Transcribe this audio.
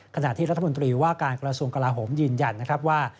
กราศวงศ์กลาโหมยืนยันนะครับว่า